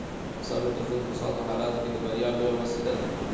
صبر د ژوند په سختو حالاتو کې د بریا لویه وسیله ده.